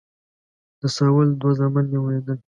د ساول دوه زامن نومېدل.